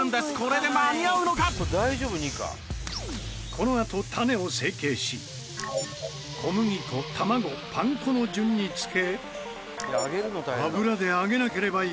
このあとタネを成形し小麦粉卵パン粉の順につけ油で揚げなければいけないが。